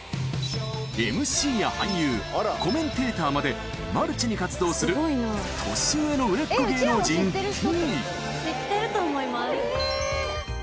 ＭＣや俳優、コメンテーターまでマルチに活動する年上の売れっ子芸能人Ｔ。